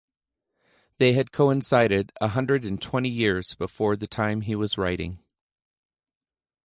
They had coincided a hundred and twenty years before the time he was writing.